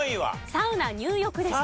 サウナ・入浴でした。